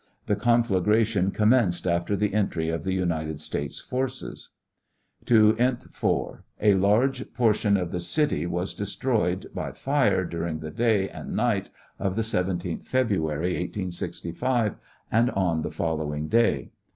The conflagration commenced after the entry of the United States forces. To int. 4. A large portion of the city was destroyed by fire during the day and night of the 17th February, 1865, and on the following day.